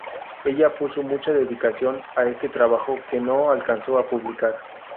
Ella puso mucha dedicación a este trabajo, que no alcanzó a publicar.